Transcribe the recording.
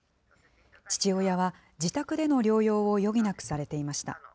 父親は自宅での療養を余儀なくされていました。